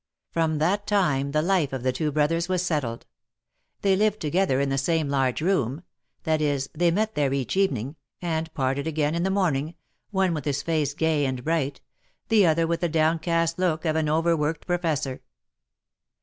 From that time the life of the two brothers was settled. They lived together in the same large room ; that is, they met there each evening, and parted again in the morning, one with his face gay and bright, the other with the downcast look of an over worked professor.